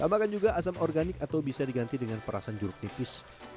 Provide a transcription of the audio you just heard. tambahkan juga asam organik atau bisa diganti dengan perasan jeruk nipis